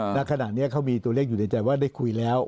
ณขณะนี้เขามีตัวเลขอยู่ในใจว่าได้คุยแล้ว